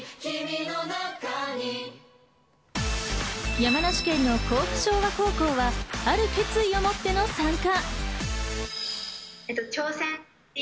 山梨県の甲府昭和高校は、ある決意を持っての参加。